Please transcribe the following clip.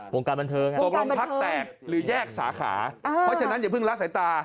วงการบันเทิงครับวงการบันเทิงคือแยกสาขาเพราะฉะนั้นอย่าเพิ่งลาสายตา